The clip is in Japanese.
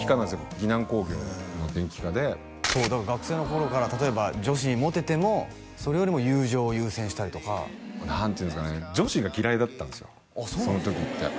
岐南工業の電気科で学生の頃から例えば女子にモテてもそれよりも友情を優先したりとか何ていうんですかね女子が嫌いだったんですよあっそうなんですか？